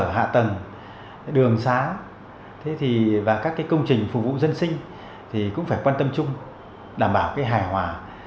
hạ tầng đường xá và các cái công trình phục vụ dân sinh thì cũng phải quan tâm chung đảm bảo cái hài hòa